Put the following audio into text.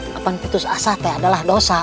kapan putus asate adalah dosa